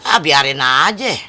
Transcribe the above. ah biarin aja